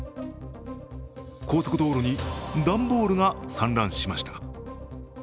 高速道路に段ボールが散乱しました。